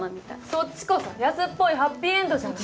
そっちこそ安っぽいハッピーエンドじゃない。